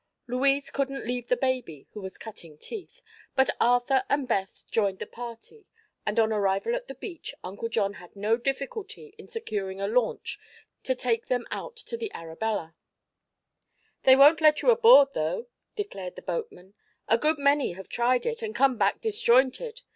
Louise couldn't leave the baby, who was cutting teeth, but Arthur and Beth joined the party and on arrival at the beach Uncle John had no difficulty in securing a launch to take them out to the Arabella. "They won't let you aboard, though," declared the boatman. "A good many have tried it, an' come back disjointed.